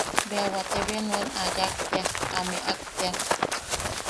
Bea wate bea nuen a yak tea, a meak tea.